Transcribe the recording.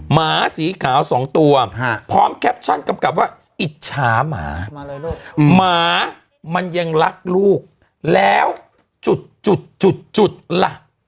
หมาสีขาวสองตัวพร้อมแคปชั่นกำกับว่าอิจฉาหมาหมามันยังรักลูกแล้วจุดจุดล่ะ